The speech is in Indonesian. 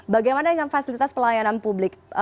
bagaimana dengan fasilitas pelayanan publik